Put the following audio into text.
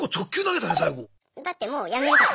だってもうやめるから。